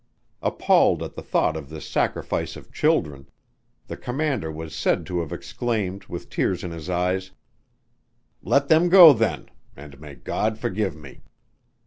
Appalled at the thought of this sacrifice of children, the Commander was said to have exclaimed with tears in his eyes, "Let them go then and may God forgive me!"